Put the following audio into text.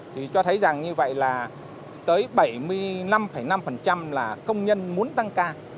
thì cho thấy rằng như vậy là tới bảy mươi năm năm là công nhân muốn tăng ca